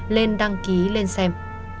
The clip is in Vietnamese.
lên đăng ký lên xem